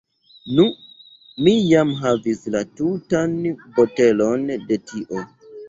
Nu, mi jam havis la tutan botelon de tio